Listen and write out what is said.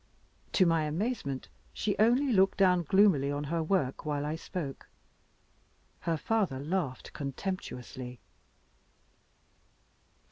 To my amazement, she only looked down gloomily on her work while I spoke; her father laughed contemptuously.